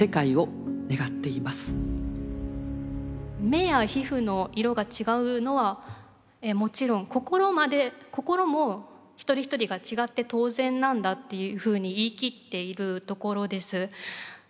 目や皮膚の色が違うのはもちろん心まで心も一人一人が違って当然なんだっていうふうに言い切っているところです。